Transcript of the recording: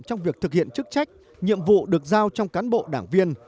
trong việc thực hiện chức trách nhiệm vụ được giao trong cán bộ đảng viên